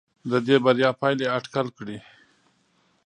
د دې بریا پایلې اټکل کړي.